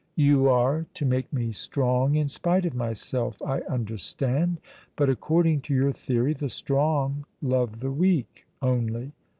"You are to make me strong in spite of myself, I understand. But, according to your theory, the strong love the weak only.